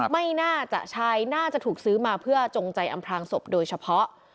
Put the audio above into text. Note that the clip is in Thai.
ไม่น่าจะใช้น่าจะถูกซื้อมาเพื่อจงใจอำพลางศพโดยเฉพาะ